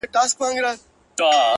o گوره خندا مه كوه مړ به مي كړې،